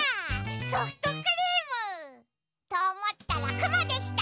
ソフトクリーム！とおもったらくもでした！